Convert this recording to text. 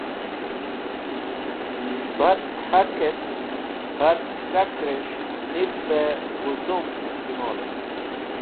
Bat k̃hatẽt bat kẽt̃akrẽs̃h niv bẽ wezum istimolẽn